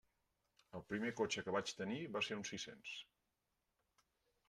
El primer cotxe que vaig tenir va ser un sis-cents.